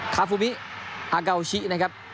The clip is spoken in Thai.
คาฟูมิอากาโอชินะครับ